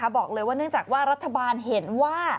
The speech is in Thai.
บอกเลยว่าเนื่องจากว่ารัฐบาลเห็นว่า